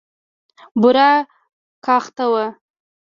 بوره کاخته وه.